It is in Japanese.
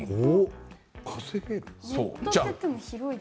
稼げる？